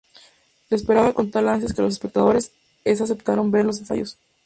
La esperaban con tal ansia que los espectadores aceptaron ver los ensayos.